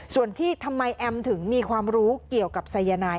ส่วนที่ทำไมแอมถึงมีความรู้เกี่ยวกับสายนาย